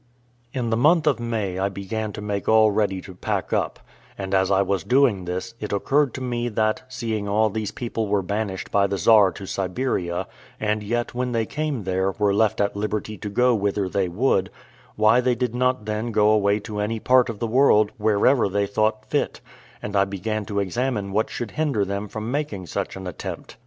In the month of May I began to make all ready to pack up; and, as I was doing this, it occurred to me that, seeing all these people were banished by the Czar to Siberia, and yet, when they came there, were left at liberty to go whither they would, why they did not then go away to any part of the world, wherever they thought fit: and I began to examine what should hinder them from making such an attempt.